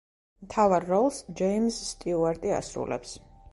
მთავარ როლს ჯეიმზ სტიუარტი ასრულებს.